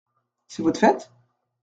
C’est votre fête ?